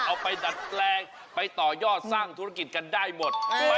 เอาไปดัดแปลงไปต่อยอดสร้างเทวบกันได้หมด